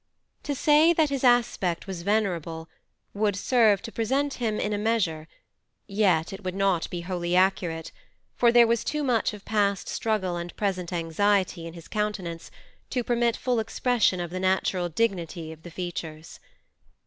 To say that his aspect was Venerable would serve to present him in a measure, yet would not be wholly accurate, for there was too much of past struggle and present anxiety in his countenance to permit full expression of the natural dignity of the features.